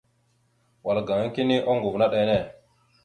Wal gaŋa kini oŋgov naɗ enne.